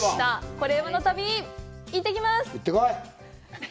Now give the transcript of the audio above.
「コレうまの旅」、行ってきます！